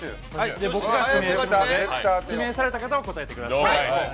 僕が指名するので指名された方は答えてください。